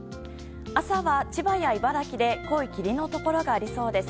朝は千葉や茨城で濃い霧のところがありそうです。